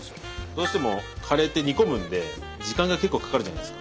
どうしてもカレーって煮込むんで時間が結構かかるじゃないですか。